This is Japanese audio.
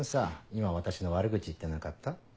今私の悪口言ってなかった？